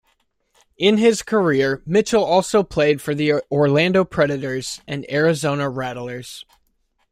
In his career, Mitchell also played for the Orlando Predators, and Arizona Rattlers.